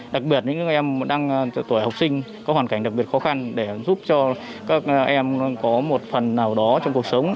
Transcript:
đặc biệt những em đang tuổi học sinh có hoàn cảnh đặc biệt khó khăn để giúp cho các em có một phần nào đó trong cuộc sống